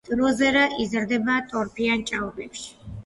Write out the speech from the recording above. დროზერა იზრდება ტორფიან ჭაობებში.